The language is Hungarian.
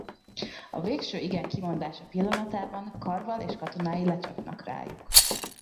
A végső igen kimondása pillanatában Karval és katonái lecsapnak rájuk.